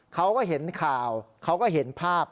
เขาก็เห็นข่าวเขาก็เห็นภาพ